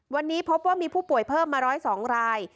วันนี้พบว่ามีผู้ป่วยเพิ่มมา๑๐๒ราย